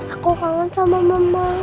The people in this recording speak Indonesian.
aku kangen sama mama